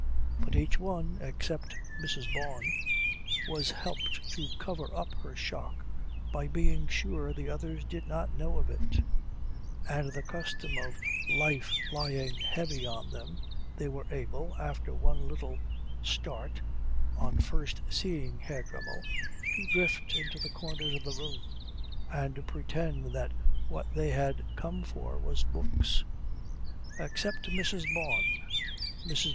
But each one, except Mrs. Bawn, was helped to cover up her shock by being sure the others did not know of it; and the custom of life lying heavy on them they were able, after one little start on first seeing Herr Dremmel, to drift into the corners of the room and pretend that what they had come for was books. Except Mrs. Bawn. Mrs.